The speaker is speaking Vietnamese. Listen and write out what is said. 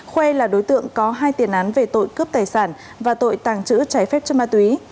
khuê là đối tượng có hai tiền án về tội cướp tài sản và tội tàng trữ trái phép chất ma túy